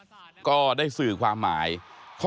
นั่นแหละสิเขายิบยกขึ้นมาไม่รู้ว่าจะแปลความหมายไว้ถึงใคร